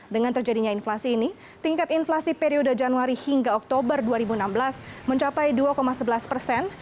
dengan terjadinya inflasi ini tingkat inflasi periode januari hingga oktober dua ribu enam belas mencapai dua sebelas persen